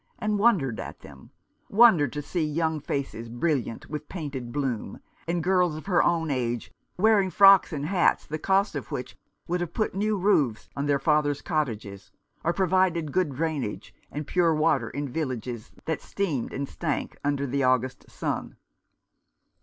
and wondered at them ; wondered to see young faces brilliant with painted bloom, and girls of her own age wearing frocks and hats the cost of which would have put new roofs on their father's cottages, or provided good drainage and pure water in villages that steamed and stank under the August sun.